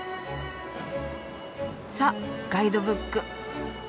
さっガイドブック。